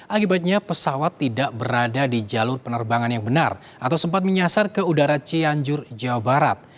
akibatnya pesawat tidak berada di jalur penerbangan yang benar atau sempat menyasar ke udara cianjur jawa barat